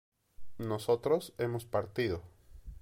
nosotros hemos partido